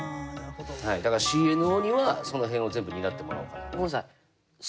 だからＣＮＯにはその辺を全部担ってもらおうかなって。